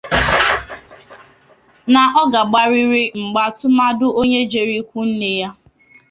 na ọ ga-agariri mgba tumadu onye jere ikwu nne ya